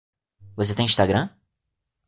Você tem Instagram?